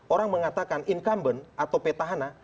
orang mengatakan incumbent atau petahana